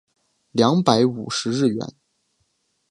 两百五十日圆